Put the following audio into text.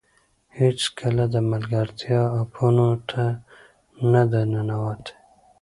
هېڅکله د ملګرتیا اپونو ته نه ده ننوتې